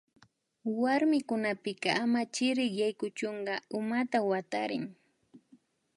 Warmikunapika ama chirik yaykuchuka umata watarin